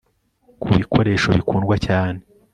ku bikoresho bikundwa cyane